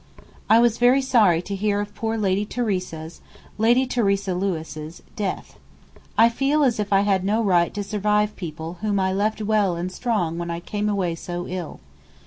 I was very sorry to hear of poor Lady Theresa's (Lady Theresa Lewis) death. I feel as if I had no right to survive people whom I left well and strong when I came away so ill.